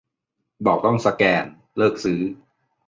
บอกต้องสแกน เลิกซื้อ